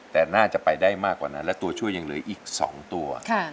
แต่น่าจะไปได้มากกว่านั้นและตัวช่วยยังเหลืออีก๒ตัว